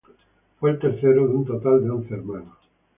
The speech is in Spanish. Fue el tercero de un total de once hermanos.